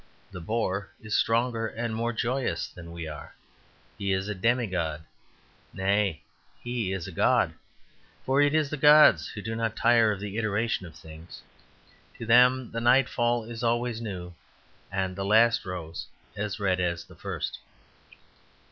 The bore is stronger and more joyous than we are; he is a demigod nay, he is a god. For it is the gods who do not tire of the iteration of things; to them the nightfall is always new, and the last rose as red as the first.